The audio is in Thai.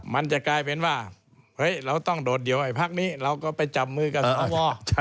มันจะกลายเป็นว่าเราต้องโดดเดี๋ยวไอ้ภาคนี้เราก็ไปจำมือกันสอวอ